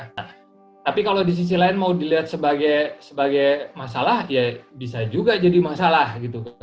tapi kalau di sisi lain mau dilihat sebagai masalah ya bisa juga jadi masalah gitu